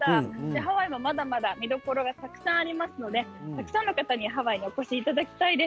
ハワイもまだまだ見どころがたくさんありますのでたくさんの方にハワイにお越しいただきたいです。